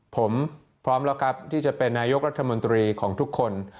ผมพร้อมแล้วครับที่จะเป็นนายกรัฐมนตรีของทุกคน